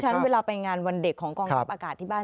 เวลาไปงานวันเด็กของกองทัพอากาศที่บ้าน